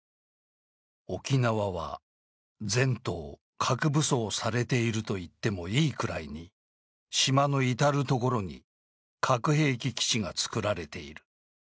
沖縄は全島核武装されていると言ってもいいくらいに島の至る所に核兵器基地がつくられている。